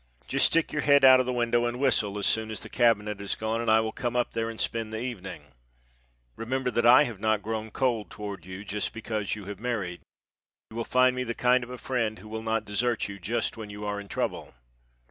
Just stick your head out of the window and whistle as soon as the cabinet is gone and I will come up there and spend the evening. Remember that I have not grown cold toward you just because you have married. You will find me the kind of a friend who will not desert you just when you are in trouble.